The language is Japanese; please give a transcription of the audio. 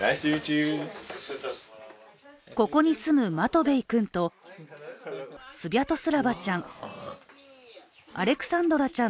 ここに住むマトベイ君とスビャトスラバちゃん。